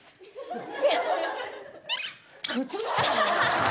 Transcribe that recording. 靴下。